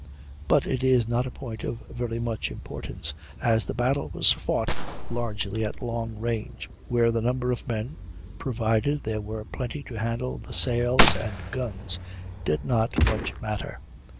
But it is not a point of very much importance, as the battle was fought largely at long range, where the number of men, provided there were plenty to handle the sails and guns, did not much matter.